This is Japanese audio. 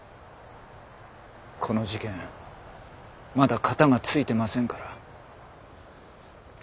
この事件まだ片が付いてませんから。